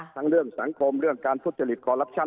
ทั้งเรื่องสังคมเรื่องการพุทธจริตกอลลับชัน